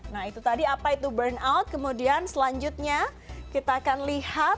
nah itu tadi apa itu burnout kemudian selanjutnya kita akan lihat